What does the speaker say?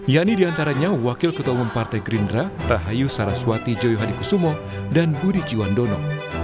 yani di antaranya wakil ketua umum partai gerindra rahayu saraswati joyohadikusumo dan budi jiwandono